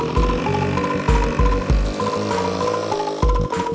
saya berangkat ke sana